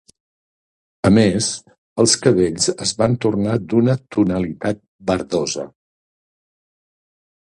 A més, els cabells es van tornar d'una tonalitat verdosa.